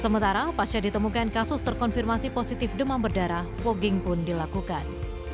sementara pasca ditemukan kasus terkonfirmasi positif demam berdarah fogging pun dilakukan